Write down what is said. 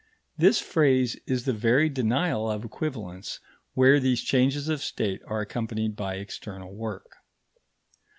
This phrase is the very denial of equivalence where these changes of state are accompanied by external work.